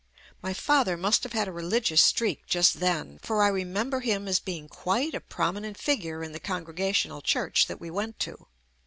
My father must have had a religious streak just then, for I remember him as being quite a prominent figure in the Congregational Church that we went to.